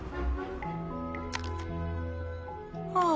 ああ。